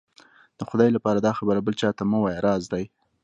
د خدای لهپاره دا خبره بل چا ته مه وايه، راز دی.